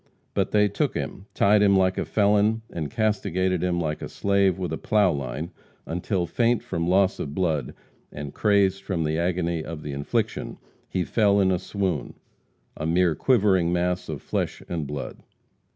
But they took him, tied him like a felon, and castigated him like a slave with a plow line, until faint from loss of blood and crazed from the agony of the infliction, he fell in a swoon a mere quivering mass of flesh and blood.